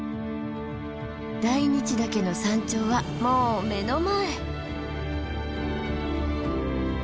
大日岳の山頂はもう目の前。